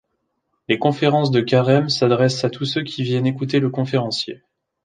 Les conférences de Carême s’adressent à tous ceux qui viennent écouter le conférencier.